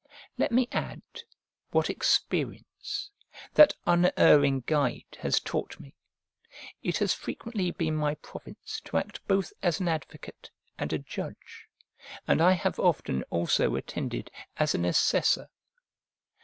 Let me add what experience, that unerring guide, has taught me: it has frequently been my province to act both as an advocate and a judge; and I have often also attended as an assessor.